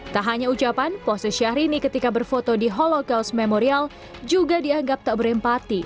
tak hanya ucapan pose syahrini ketika berfoto di holocaust memorial juga dianggap tak berempati